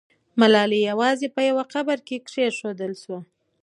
ملالۍ یوازې په یو قبر کې کښېښودل سوه.